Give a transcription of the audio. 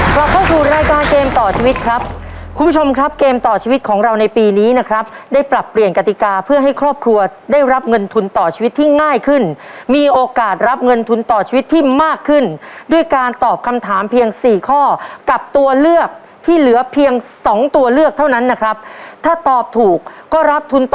กลับเข้าสู่รายการเกมต่อชีวิตครับคุณผู้ชมครับเกมต่อชีวิตของเราในปีนี้นะครับได้ปรับเปลี่ยนกติกาเพื่อให้ครอบครัวได้รับเงินทุนต่อชีวิตที่ง่ายขึ้นมีโอกาสรับเงินทุนต่อชีวิตที่มากขึ้นด้วยการตอบคำถามเพียงสี่ข้อกับตัวเลือกที่เหลือเพียงสองตัวเลือกเท่านั้นนะครับถ้าตอบถูกก็รับทุนต่อ